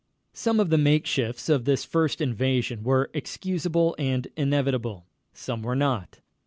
Some of the makeshifts of this first invasion were excusable and inevitable. Some were not.